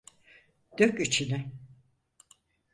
Dök içini.